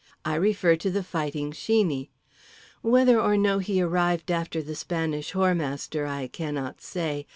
I refer to The Fighting Sheeney. Whether or no he arrived after the Spanish Whoremaster I cannot say.